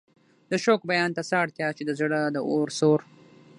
د شوق بیان ته څه اړتیا چې د زړه د اور سوز.